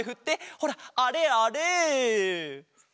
ほらあれあれ！